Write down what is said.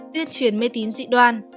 tuyên truyền mê tín dị đoàn